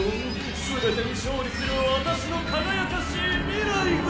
すべてに勝利する私の輝かしい未来が！